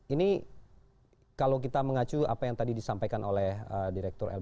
ini kalau kita mengacu apa yang tadi disampaikan oleh pak jokowi ya